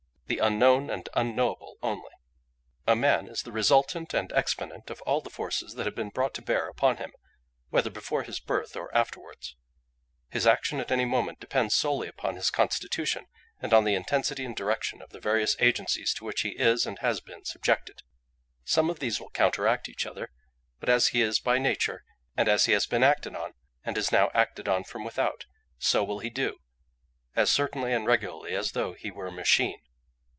The Unknown and Unknowable only! "A man is the resultant and exponent of all the forces that have been brought to bear upon him, whether before his birth or afterwards. His action at any moment depends solely upon his constitution, and on the intensity and direction of the various agencies to which he is, and has been, subjected. Some of these will counteract each other; but as he is by nature, and as he has been acted on, and is now acted on from without, so will he do, as certainly and regularly as though he were a machine.